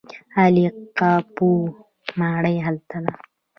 عالي قاپو ماڼۍ هلته ده.